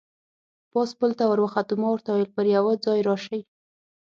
پاس پل ته ور وخوتو، ما ورته وویل: پر یوه ځای راشئ.